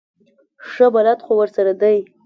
ښه بلد خو ورسره دی.